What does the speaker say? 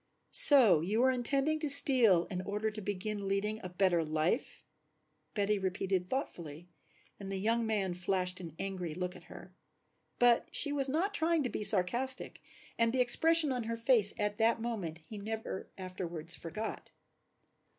"So you were intending to steal in order to begin leading a better life," Betty repeated thoughtfully, and the young man flashed an angry look at her. But she was not trying to be sarcastic and the expression on her face at that moment he never afterwards forgot.